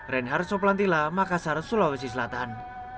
reinhard soplantila makassar sulawesi selatan